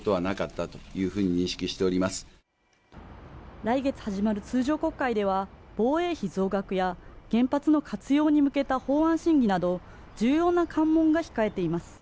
来月始まる通常国会では防衛費増額や原発の活用に向けた法案審議など重要な関門が控えています